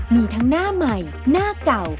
มีทั้งหน้าใหม่หน้าเก่า